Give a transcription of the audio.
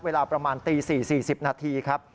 เวลาประมาณตี๔๔๐นาทีครับ